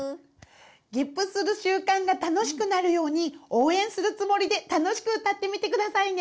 げっぷする習慣が楽しくなるように応援するつもりで楽しく歌ってみてくださいね！